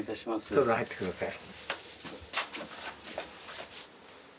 どうぞ入って下さい。